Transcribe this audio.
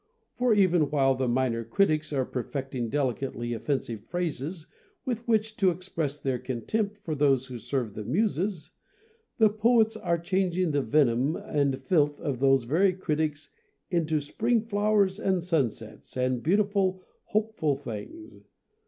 For, even while the minor critics are perfecting 74 HOW TO BE A POET 75 delicately offensive phrases with which to ex press their contempt for those who serve the Muses, the poets are changing the venom and filth of those very critics into spring flowers and sunsets, and beautiful, hopeful things.